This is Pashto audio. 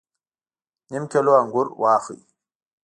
نیم کیلو انګور واخلئ